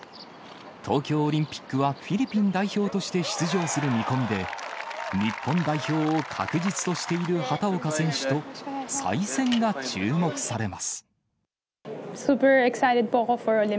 東京オリンピックはフィリピン代表として出場する見込みで、日本代表を確実としている畑岡選手と、再戦が注目されます。